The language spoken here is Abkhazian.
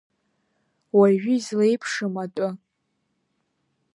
Уажәы излеиԥшым атәы…